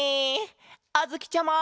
あづきちゃま！